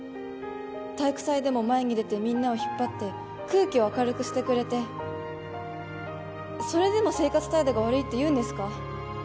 体育祭でも前に出てみんなを引っ張って空気を明るくしてくれてそれでも生活態度が悪いって言うんですか？